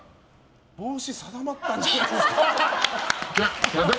帽子定まったんじゃないですか。